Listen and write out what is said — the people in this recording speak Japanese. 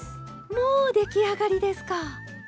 もう出来上がりですか？